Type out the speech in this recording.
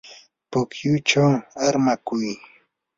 pukyuchaw armakuy.